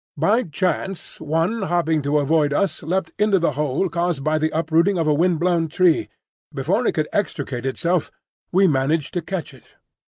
By chance, one hopping to avoid us leapt into the hole caused by the uprooting of a wind blown tree; before it could extricate itself we managed to catch it.